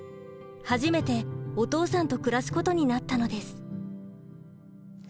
初めてお父さんと暮らすことになったのです。